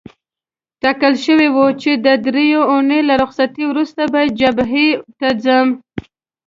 ټاکل شوې وه چې د دریو اونیو له رخصتۍ وروسته به جبهې ته ځم.